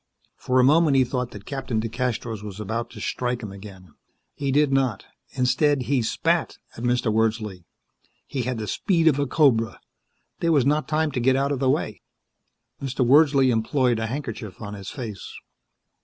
For a moment he thought that Captain DeCastros was about to strike him again. He did not. Instead he spat at Mr. Wordsley. He had the speed of a cobra. There was not time to get out of the way. Mr. Wordsley employed a handkerchief on his face.